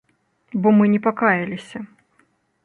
Бо мы не пакаяліся.